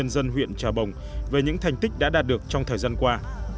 dân huyện trà bồng về những thành tích đã đạt được trong thời gian qua